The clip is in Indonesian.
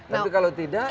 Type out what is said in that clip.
tapi kalau tidak